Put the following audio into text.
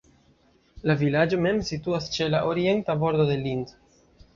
La vilaĝo mem situas ĉe la orienta bordo de Linth.